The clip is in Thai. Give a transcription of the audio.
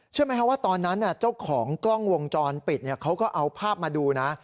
เชื่อไหมครับว่าตอนนั้นเจ้าของกล้องวงจรปิดเขาก็เอาภาพมาดูนะ